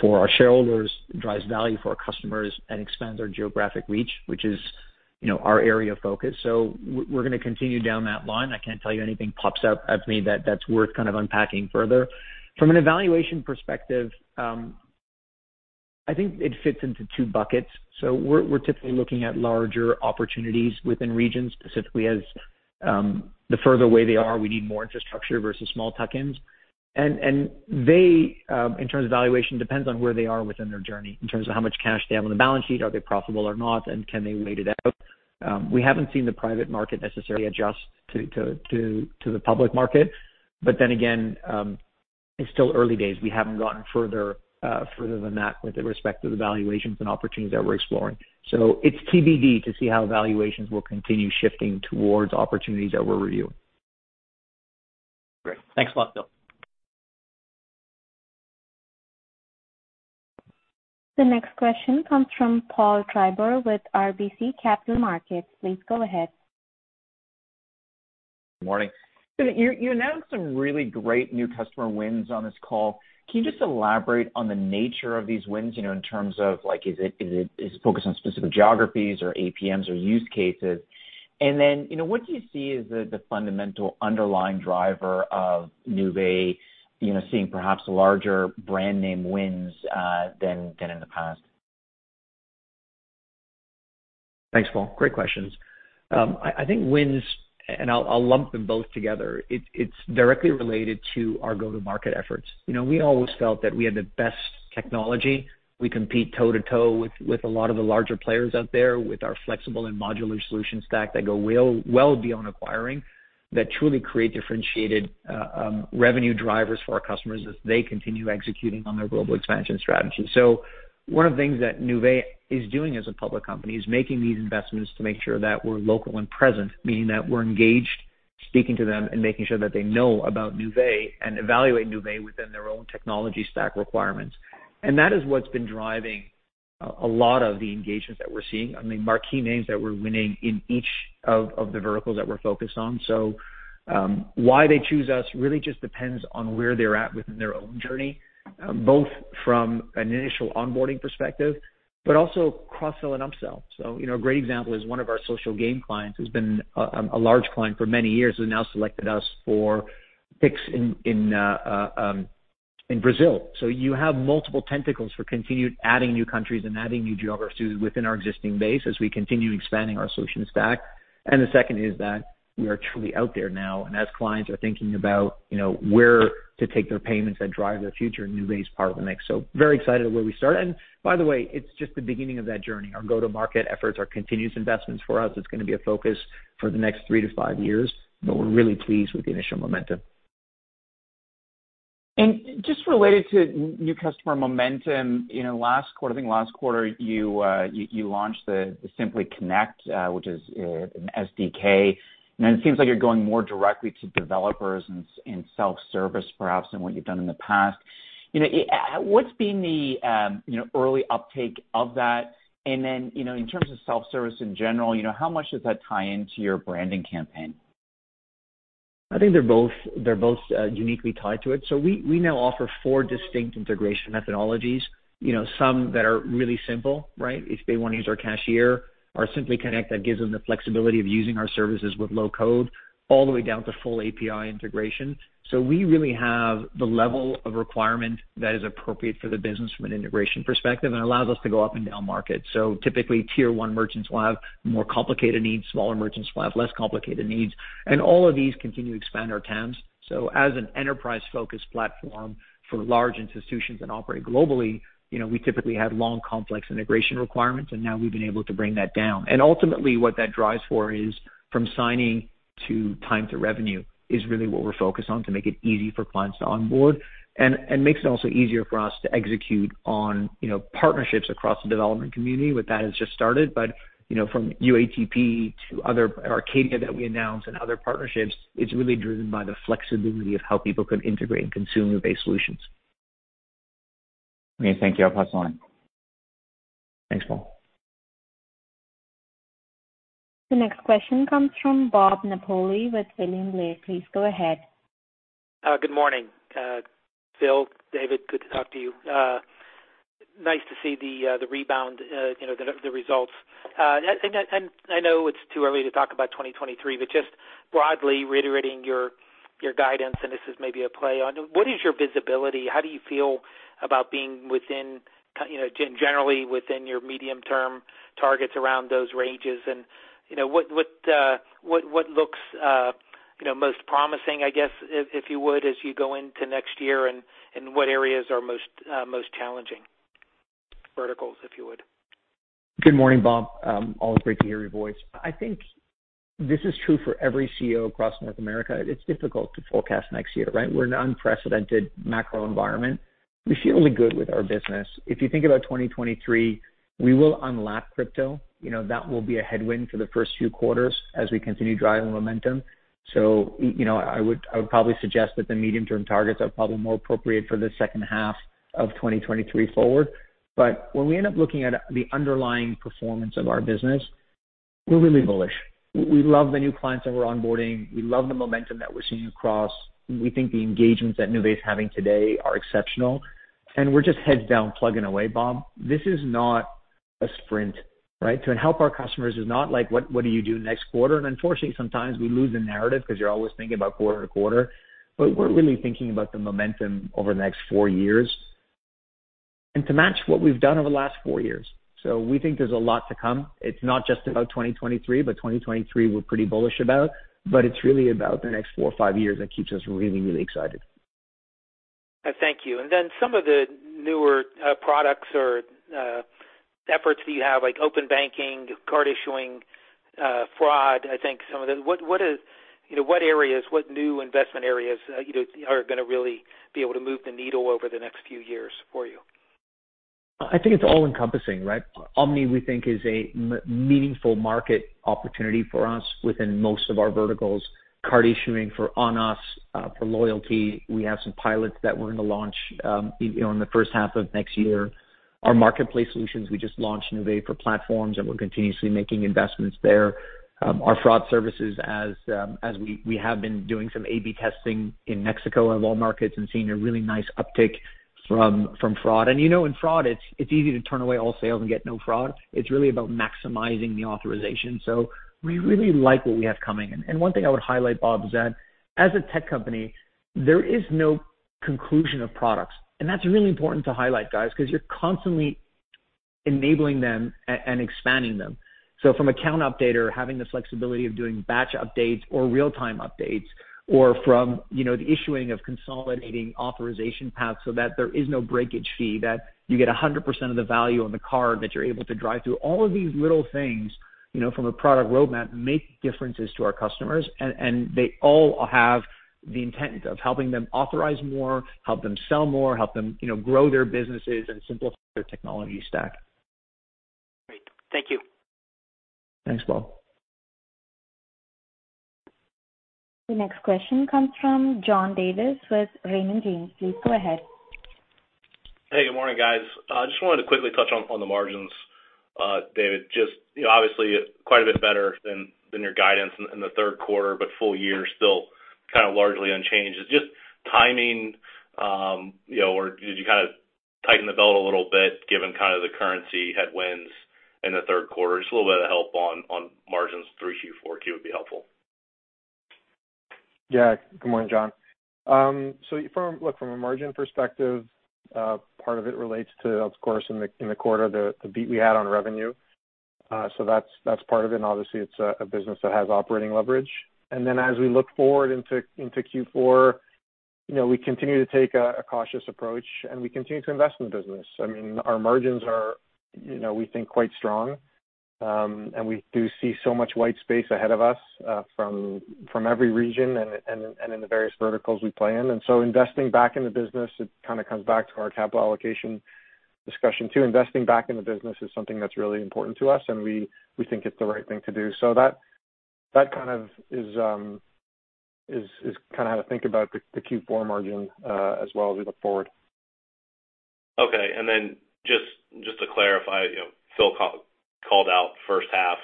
Speaker 3: for our shareholders, drives value for our customers, and expands our geographic reach, which is, you know, our area of focus. We're gonna continue down that line. I can't tell you anything pops out at me that's worth kind of unpacking further. From a valuation perspective, I think it fits into two buckets. We're typically looking at larger opportunities within regions, specifically as the further away they are, we need more infrastructure versus small tuck-ins. They, in terms of valuation, it depends on where they are within their journey, in terms of how much cash they have on the balance sheet, are they profitable or not, and can they wait it out. We haven't seen the private market necessarily adjust to the public market. It's still early days. We haven't gotten further than that with respect to the valuations and opportunities that we're exploring. It's TBD to see how valuations will continue shifting towards opportunities that we're reviewing.
Speaker 8: Great. Thanks a lot, Phil.
Speaker 1: The next question comes from Paul Treiber with RBC Capital Markets. Please go ahead.
Speaker 9: Morning. You announced some really great new customer wins on this call. Can you just elaborate on the nature of these wins, you know, in terms of like, is it focused on specific geographies or APMs or use cases? You know, what do you see as the fundamental underlying driver of Nuvei, you know, seeing perhaps larger brand name wins than in the past?
Speaker 3: Thanks, Paul. Great questions. I think wins, and I'll lump them both together. It's directly related to our go-to-market efforts. You know, we always felt that we had the best technology. We compete toe-to-toe with a lot of the larger players out there with our flexible and modular solution stack that go well beyond acquiring, that truly create differentiated revenue drivers for our customers as they continue executing on their global expansion strategy. One of the things that Nuvei is doing as a public company is making these investments to make sure that we're local and present, meaning that we're engaged, speaking to them, and making sure that they know about Nuvei and evaluate Nuvei within their own technology stack requirements. That is what's been driving a lot of the engagements that we're seeing. I mean, marquee names that we're winning in each of the verticals that we're focused on. Why they choose us really just depends on where they're at within their own journey, both from an initial onboarding perspective, but also cross-sell and upsell. You know, a great example is one of our social game clients who's been a large client for many years, who now selected us for Pix in Brazil. You have multiple tentacles for continued adding new countries and adding new geographies within our existing base as we continue expanding our solution stack. The second is that we are truly out there now, and as clients are thinking about, you know, where to take their payments that drive their future, Nuvei is part of the mix. Very excited where we start. By the way, it's just the beginning of that journey. Our go-to-market efforts are continuous investments for us. It's gonna be a focus for the next three-five years, but we're really pleased with the initial momentum.
Speaker 9: Just related to new customer momentum. You know, last quarter, I think, you launched the Simply Connect, which is an SDK. It seems like you're going more directly to developers in self-service perhaps than what you've done in the past. You know, what's been the early uptake of that? You know, in terms of self-service in general, you know, how much does that tie into your branding campaign?
Speaker 3: I think they're uniquely tied to it. We now offer four distinct integration methodologies, you know, some that are really simple, right? If they wanna use our cashier or Simply Connect, that gives them the flexibility of using our services with low code all the way down to full API integration. We really have the level of requirement that is appropriate for the business from an integration perspective and allows us to go up and down market. Typically, tier one merchants will have more complicated needs. Smaller merchants will have less complicated needs. All of these continue to expand our TAMs. As an enterprise-focused platform for large institutions that operate globally, you know, we typically had long, complex integration requirements, and now we've been able to bring that down. Ultimately, what that drives for is from signing to time to revenue is really what we're focused on to make it easy for clients to onboard and makes it also easier for us to execute on, you know, partnerships across the development community. With that, has just started, but, you know, from UATP to other Arcadier that we announced and other partnerships, it's really driven by the flexibility of how people could integrate and consume Nuvei solutions.
Speaker 9: Okay, thank you. I'll pass on.
Speaker 3: Thanks, Paul.
Speaker 1: The next question comes from Bob Napoli with William Blair. Please go ahead.
Speaker 10: Good morning, Phil, David, good to talk to you. Nice to see the rebound, you know, the results. I know it's too early to talk about 2023, but just broadly reiterating your guidance, and this is maybe a play on, what is your visibility? How do you feel about being within, you know, generally within your medium term targets around those ranges? You know, what looks, you know, most promising, I guess, if you would, as you go into next year and what areas are most challenging? Verticals, if you would.
Speaker 3: Good morning, Bob. Always great to hear your voice. I think this is true for every CEO across North America. It's difficult to forecast next year, right? We're in an unprecedented macro environment. We feel really good with our business. If you think about 2023, we will unlap crypto. You know, that will be a headwind for the first few quarters as we continue driving momentum. You know, I would probably suggest that the medium-term targets are probably more appropriate for the second half of 2023 forward. When we end up looking at the underlying performance of our business, we're really bullish. We love the new clients that we're onboarding. We love the momentum that we're seeing across. We think the engagements that Nuvei is having today are exceptional, and we're just heads down plugging away, Bob. This is not a sprint, right? To help our customers is not like, what do you do next quarter? Unfortunately, sometimes we lose the narrative because you're always thinking about quarter-to-quarter. We're really thinking about the momentum over the next four years and to match what we've done over the last four years. We think there's a lot to come. It's not just about 2023, but 2023 we're pretty bullish about, but it's really about the next four or five years that keeps us really, really excited.
Speaker 10: Thank you. Some of the newer products or efforts that you have, like open banking, card issuing, fraud. What is, you know, what areas, what new investment areas, you know, are gonna really be able to move the needle over the next few years for you?
Speaker 3: I think it's all-encompassing, right? Omni, we think is a meaningful market opportunity for us within most of our verticals. Card issuing for On-Us. For loyalty, we have some pilots that we're gonna launch, you know, in the first half of next year. Our marketplace solutions, we just launched Nuvei for Platforms, and we're continuously making investments there. Our fraud services as we have been doing some A/B testing in Mexico and Walmart markets and seeing a really nice uptick from fraud. You know, in fraud, it's easy to turn away all sales and get no fraud. It's really about maximizing the authorization. We really like what we have coming. One thing I would highlight, Bob, is that as a tech company, there is no conclusion of products. That's really important to highlight, guys, because you're constantly enabling them and expanding them. From account updater, having the flexibility of doing batch updates or real-time updates, or from, you know, the issuing of consolidating authorization paths so that there is no breakage fee, that you get 100% of the value on the card that you're able to drive through. All of these little things, you know, from a product roadmap, make differences to our customers, and they all have the intent of helping them authorize more, help them sell more, help them, you know, grow their businesses and simplify their technology stack.
Speaker 10: Great. Thank you.
Speaker 3: Thanks, Bob.
Speaker 1: The next question comes from John Davis with Raymond James. Please go ahead.
Speaker 11: Hey, good morning, guys. I just wanted to quickly touch on the margins, David. Just, you know, obviously quite a bit better than your guidance in the third quarter, but full year still kind of largely unchanged. Just timing, you know, or did you kinda tighten the belt a little bit given kinda the currency headwinds in the third quarter? Just a little bit of help on margins through Q4 would be helpful.
Speaker 4: Good morning, John. Look, from a margin perspective, part of it relates to, of course, in the quarter, the beat we had on revenue. That's part of it, and obviously it's a business that has operating leverage. Then as we look forward into Q4, you know, we continue to take a cautious approach, and we continue to invest in the business. I mean, our margins are, you know, we think, quite strong. We do see so much white space ahead of us, from every region and in the various verticals we play in. Investing back in the business, it kinda comes back to our capital allocation discussion too. Investing back in the business is something that's really important to us, and we think it's the right thing to do. That kind of is kinda how to think about the Q4 margin, as well as we look forward.
Speaker 11: Okay. Then just to clarify, you know, Phil called out first half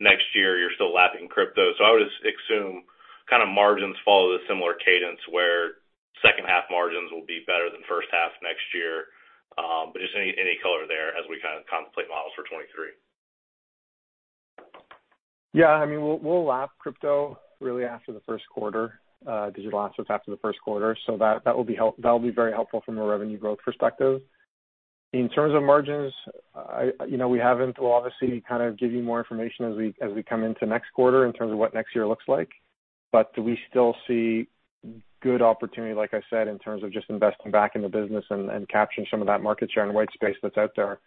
Speaker 11: next year. You're still lapping crypto. I would assume kinda margins follow the similar cadence, where second half margins will be better than first half next year. Just any color there as we kinda contemplate models for 2023.
Speaker 4: Yeah. I mean, we'll lap crypto really after the first quarter, because you'll lap us after the first quarter. That'll be very helpful from a revenue growth perspective. In terms of margins, you know, we have to obviously kind of give you more information as we come into next quarter in terms of what next year looks like. We still see good opportunity, like I said, in terms of just investing back in the business and capturing some of that market share and white space that's out there.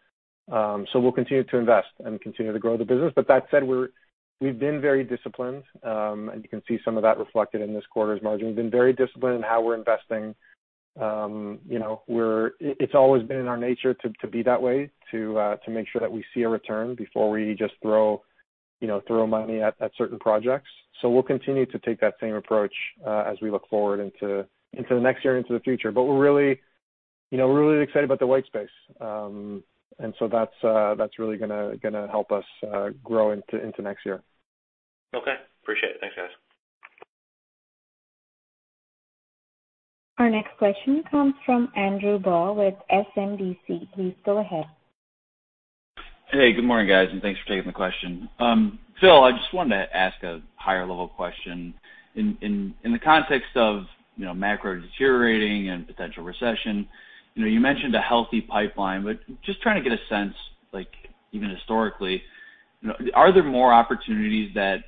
Speaker 4: We'll continue to invest and continue to grow the business. That said, we've been very disciplined, and you can see some of that reflected in this quarter's margin. We've been very disciplined in how we're investing. You know, it's always been in our nature to be that way, to make sure that we see a return before we just throw, you know, money at certain projects. We'll continue to take that same approach as we look forward into the next year and into the future. We're really, you know, we're really excited about the white space. That's really gonna help us grow into next year.
Speaker 11: Okay. Appreciate it. Thanks, guys.
Speaker 1: Our next question comes from Andrew Bauch with SMBC. Please go ahead.
Speaker 12: Hey, good morning, guys, and thanks for taking the question. Phil, I just wanted to ask a higher level question. In the context of, you know, macro deteriorating and potential recession, you know, you mentioned a healthy pipeline, but just trying to get a sense, like even historically, you know, are there more opportunities that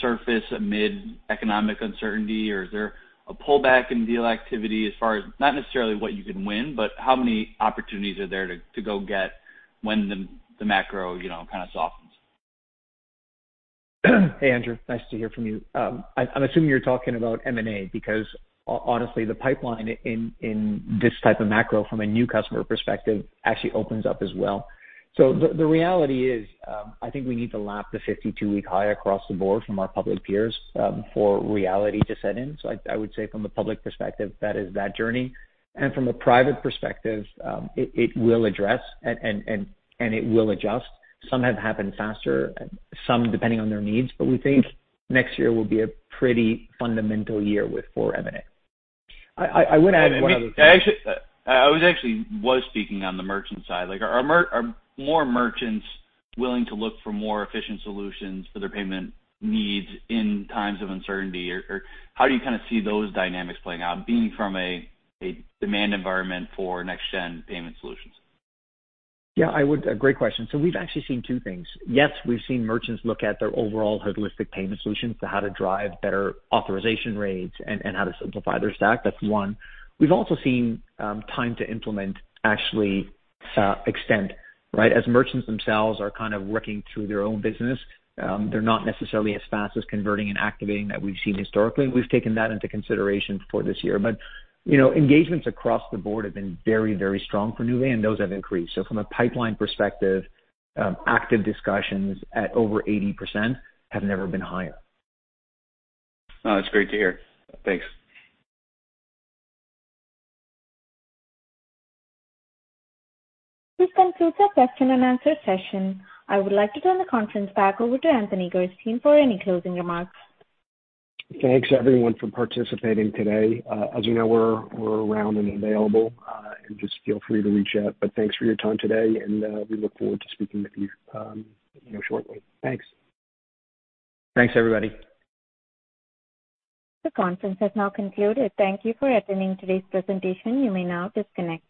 Speaker 12: surface amid economic uncertainty, or is there a pullback in deal activity as far as not necessarily what you can win, but how many opportunities are there to go get when the macro, you know, kinda softens?
Speaker 3: Hey, Andrew. Nice to hear from you. I'm assuming you're talking about M&A because honestly, the pipeline in this type of macro from a new customer perspective actually opens up as well. The reality is, I think we need to lap the 52-week high across the board from our public peers, for reality to set in. I would say from a public perspective, that is that journey. From a private perspective, it will address and it will adjust. Some have happened faster, some depending on their needs. We think next year will be a pretty fundamental year for M&A. I would add one other thing.
Speaker 12: I actually, I was actually speaking on the merchant side. Like, are more merchants willing to look for more efficient solutions for their payment needs in times of uncertainty? Or, how do you kinda see those dynamics playing out, being from a demand environment for next gen payment solutions?
Speaker 3: Great question. We've actually seen two things. Yes, we've seen merchants look at their overall holistic payment solutions to how to drive better authorization rates and how to simplify their stack. That's one. We've also seen time to implement actually extend, right? As merchants themselves are kind of working through their own business, they're not necessarily as fast as converting and activating that we've seen historically, and we've taken that into consideration for this year. You know, engagements across the board have been very, very strong for Nuvei, and those have increased. From a pipeline perspective, active discussions at over 80% have never been higher.
Speaker 12: Oh, that's great to hear. Thanks.
Speaker 1: This concludes our question and answer session. I would like to turn the conference back over to Anthony Gerstein for any closing remarks.
Speaker 2: Thanks everyone for participating today. As you know, we're around and available, and just feel free to reach out. Thanks for your time today and we look forward to speaking with you know, shortly. Thanks.
Speaker 3: Thanks, everybody.
Speaker 1: The conference has now concluded. Thank you for attending today's presentation. You may now disconnect.